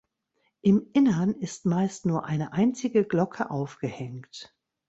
Im Innern ist meist nur eine einzige Glocke aufgehängt.